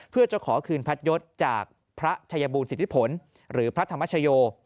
เพื่อจะขอคืนพัดยศจากพระชัยบูรณสิทธิผลหรือพระธรรมชโย